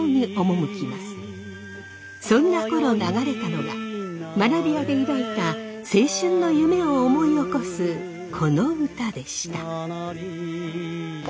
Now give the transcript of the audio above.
そんなころ流れたのが学び舎で抱いた青春の夢を思い起こすこの歌でした。